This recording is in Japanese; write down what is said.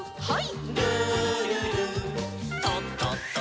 はい。